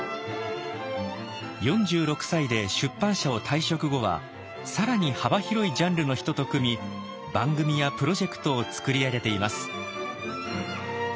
４６歳で出版社を退職後は更に幅広いジャンルの人と組み番組やプロジェクトを作り上げています。